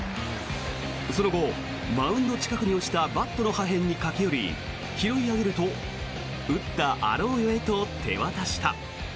その後、マウンド近くに落ちたバットの破片に駆け寄り拾い上げると打ったアローヨへと手渡した。